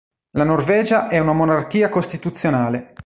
La Norvegia è una monarchia costituzionale.